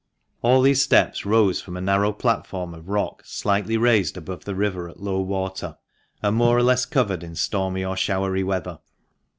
All these steps rose from a narrow platform of rock slightly raised above the river at low water, and more or less covered in stormy or showery weather.